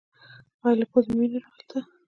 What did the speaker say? ایا له پوزې مو وینه راغلې ده؟